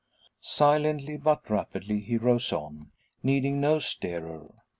Silently, but rapidly, he rows on, needing no steerer.